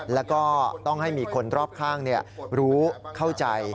แล้วก็ต้องให้มีคนรอบข้างรู้เข้าใจ